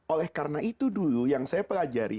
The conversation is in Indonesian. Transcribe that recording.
oleh karena itu dulu yang saya pelajari